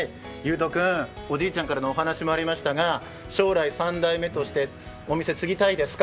おじいちゃんからのお話もありましたが、将来３代目としてお店継ぎたいですか？